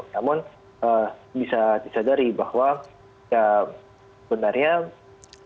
namun bisa disadari bahwa sebenarnya ini bukan cuma masalah satu